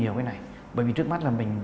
nhiều cái này bởi vì trước mắt là mình